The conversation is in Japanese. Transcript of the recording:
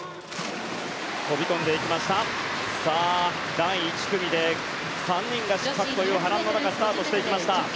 第１組で３人が失格という波乱の中スタートしました。